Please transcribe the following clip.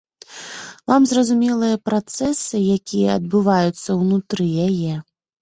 Вам зразумелыя працэсы, якія адбываюцца ўнутры яе?